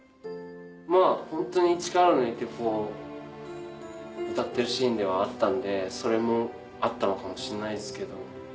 ホントに力抜いて歌ってるシーンではあったんでそれもあったのかもしんないっすけど。